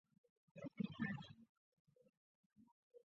诊断过程通常会将个案的父母意见及师长意见列入考量。